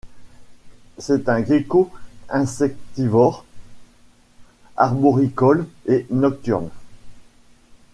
C'est un gecko insectivore, arboricole et nocturne.